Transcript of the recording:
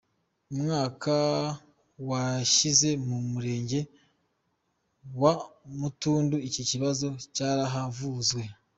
Umwaka washize mu murenge wa Mutuntu iki kibazo cyarahavuzwe.